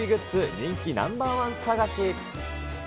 人気ナンバー１探し。